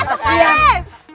masuk pak dev